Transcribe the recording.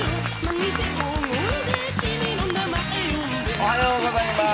おはようございます。